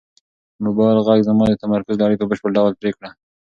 د موبایل غږ زما د تمرکز لړۍ په بشپړ ډول پرې کړه.